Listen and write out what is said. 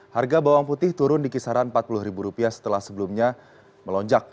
harga bawang putih turun di kisaran rp empat puluh setelah sebelumnya melonjak